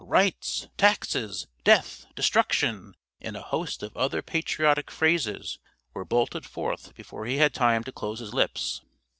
"Rights!" "Taxes!" "Death!" "Destruction!" and a host of other patriotic phrases, were bolted forth before he had time to close his lips.